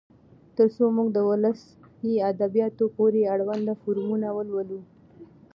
تر څو موږ د ولسي ادبياتو پورې اړوند فورمونه ولولو.